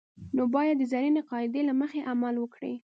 نو باید د زرینې قاعدې له مخې عمل وکړي.